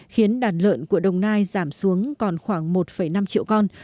khiến đàn lợn của đồng nai giảm xuống còn khoảng một năm triệu con